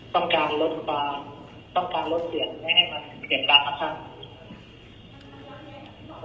ต้องการลดเสียงให้มันเสียงรักนะครับ